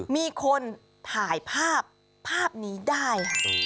มีคนถ่ายภาพภาพนี้ได้ค่ะ